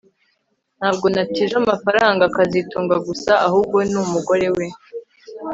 Ntabwo natije amafaranga kazitunga gusa ahubwo numugore we